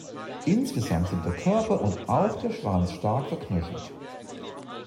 Insgesamt sind der Körper und auch der Schwanz stark verknöchert.